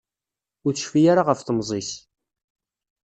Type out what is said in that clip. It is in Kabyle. Ur tecfi ara ɣef temẓi-s.